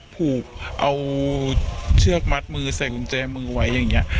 ผูกเอาเชือกมัดมือใส่กุญแจมือไว้อย่างนี้